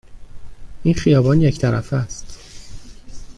این خیابان یک طرفه است.